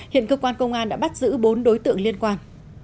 hiện cơ quan công an đã bắt giữ bốn đối tượng liên quan